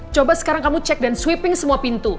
coba sekarang kamu cek dan sweeping semua pintu